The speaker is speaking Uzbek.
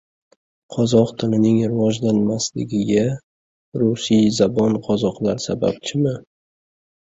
Qozoq tilining rivojlanmasligiga rusiyzabon qozoqlar sababchimi?..